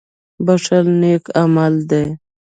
• بښل نېک عمل دی.